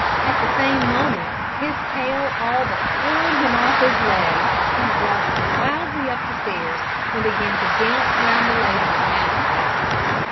At the same moment his tail all but twirled him off his legs as he rushed wildly up the stairs and began to dance round the lady in mad excitement.